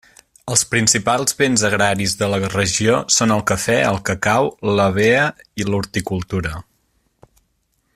Els principals béns agraris de la regió són el cafè, el cacau, l'hevea i l'horticultura.